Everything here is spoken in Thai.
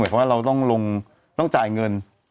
เรามันต้องลงต้องจ่ายเงิน